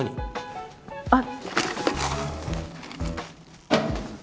あっ！